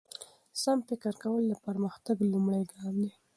سم فکر کول د پرمختګ لومړی ګام دی.